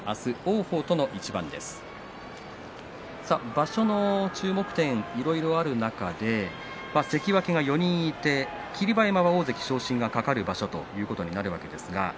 場所の注目点、いろいろある中で関脇が４人いて霧馬山は大関昇進が懸かる場所ということになります。